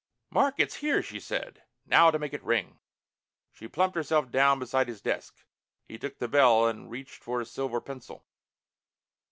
"Mark, it's here!" she said. "Now to make it ring." She plumped herself down beside his desk. He took the bell and reached for a silver pencil.